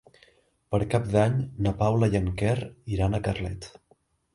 Per Cap d'Any na Paula i en Quer iran a Carlet.